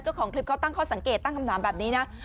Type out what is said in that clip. เจ้าของคลิปเขาตั้งข้อสังเกตตั้งคำถามแบบนี้นะ